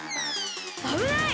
あぶない！